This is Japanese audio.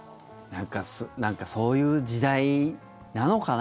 なんかそういう時代なのかな。